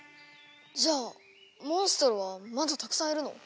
じゃあモンストロはまだたくさんいるの？